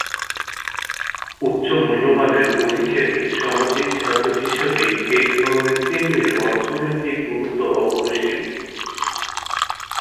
উচ্চ মূল্যমানের অধিকারী সামুদ্রিক খাদ্য হিসেবে এ ধরনের চিংড়ির অর্থনৈতিক গুরুত্ব অপরিসীম।